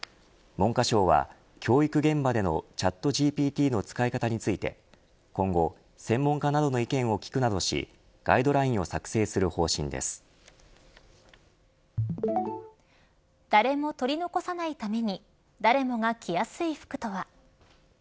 文科省は教育現場でのＣｈａｔＧＰＴの使い方について今後、専門家などの意見を聞くなどしガイドラインを誰もとり残さないために誰もが着やすい服とは。